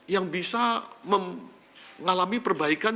yang bisa mengalami perbaikan